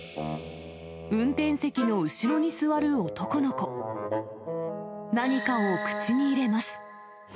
運転席の後ろに座る何かを口に入れます。